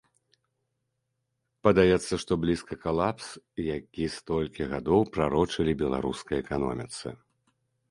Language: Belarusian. Падаецца, што блізка калапс, які столькі гадоў прарочылі беларускай эканоміцы.